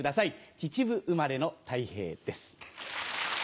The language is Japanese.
秩父生まれのたい平です。